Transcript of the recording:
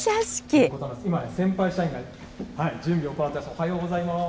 おはようございます。